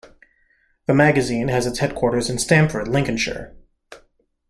The magazine has its headquarters in Stamford, Lincolnshire.